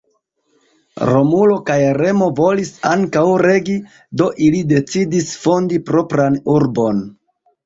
Romulo kaj Remo volis ankaŭ regi, do ili decidis fondi propran urbon.